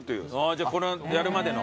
じゃあこれをやるまでの。